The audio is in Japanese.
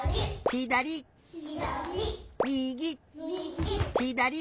ひだり！